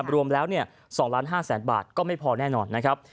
รวมแล้ว๒๕๐๐๐๐บาทก็ไม่พอแน่นอนนะครับ